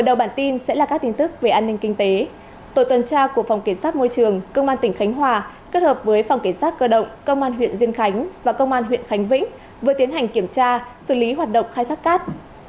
tổ tuần tra của phòng kiểm soát môi trường công an tỉnh khánh hòa kết hợp với phòng kiểm soát cơ động công an huyện diên khánh và công an huyện khánh vĩnh vừa tiến hành kiểm tra xử lý hoạt động khai thác cát